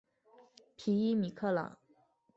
皮伊米克朗。